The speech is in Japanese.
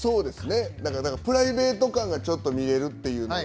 プライベート感がちょっと見えるというのが。